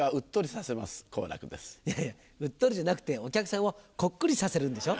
いやいやウットリじゃなくてお客さんをコックリさせるんでしょ。